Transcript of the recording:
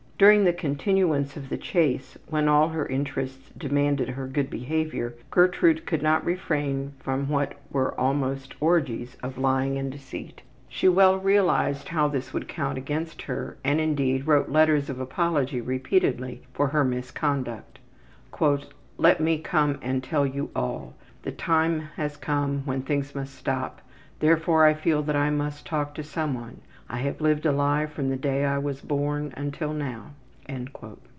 During the continuance of the case, when all her interests demanded her good behavior, Gertrude could not refrain from what were almost orgies of lying and deceit. She well realized how this would count against her and, indeed, wrote letters of apology repeatedly for her misconduct. ``Let me come and tell you all. The time has come when things must stop, therefore I feel that I must talk to someone. I have lived a lie from the day I was born until now.''